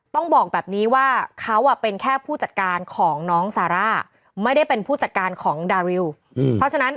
ต้องบอกแบบนี้ว่าเขาเป็นแค่ผู้จัดการของน้องซาร่า